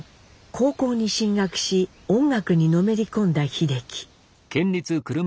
高校に進学し音楽にのめり込んだ秀樹。